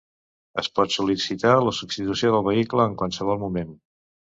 Es pot sol·licitar la substitució del vehicle en qualsevol moment.